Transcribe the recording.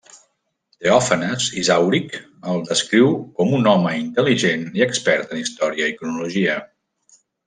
Teòfanes Isàuric el descriu com un home intel·ligent i expert en història i cronologia.